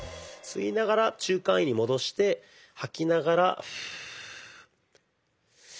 吸いながら中間位に戻して吐きながら。